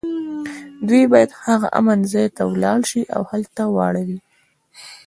دوی باید هغه امن ځای ته ولاړ شي او هلته واړوي